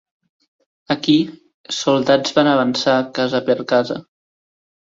Aquí, soldats van avançar casa per casa.